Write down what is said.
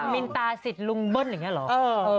มินตาสิทธิ์ลุงเบิ้ลหรือยังเนี่ยเหรอ